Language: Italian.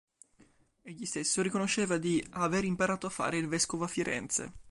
Egli stesso riconosceva di “aver imparato a fare il vescovo a Firenze”.